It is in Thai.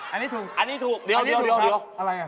อันนี้ถูกเดี๋ยวครับ